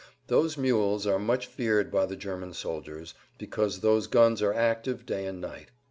Those "mules" are much feared by the German soldiers, because those guns are active day and night.